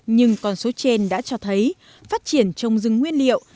nhưng con số trên đã cho thấy phát triển trồng rừng nguyên liệu